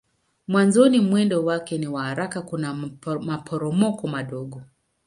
Mwanzoni mwendo wake ni wa haraka kuna maporomoko madogo.